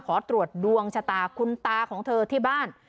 ขอตรวจดวงชะตาคุณตาของเธอที่บ้าน